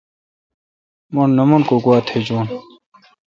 مٹھ نہ من کو گوا تھجیون ۔